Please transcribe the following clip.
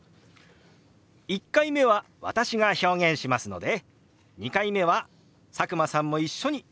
１回目は私が表現しますので２回目は佐久間さんも一緒に手を動かしてみましょう！